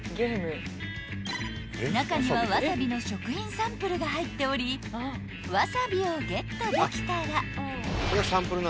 ［中にはわさびの食品サンプルが入っておりわさびをゲットできたら］